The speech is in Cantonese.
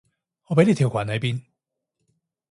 我畀你條裙喺邊？